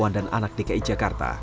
baru baru saya itu kebuka